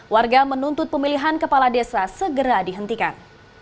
warga menuntut pemilihan kepala desa segera dihentikan